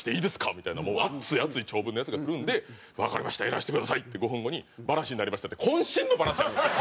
みたいなもう熱い熱い長文のやつが来るんで「わかりましたやらしてください」って５分後に「バラシになりました」って渾身のバラシあるんですよ。